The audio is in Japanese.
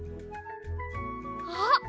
あっ！